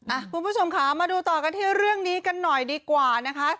คุณผู้ชมค่ะมาดูต่อกันที่เรื่องนี้กันหน่อยดีกว่านะคะ